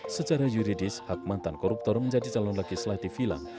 secara yuridis hak mantan koruptor menjadi calon legislatif hilang